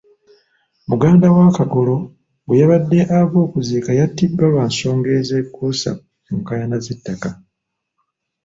Muganda wa Kagolo gwe yabadde ava okuziika yattiddwa lwa nsonga ezeekuusa ku nkaayana z'ettaka.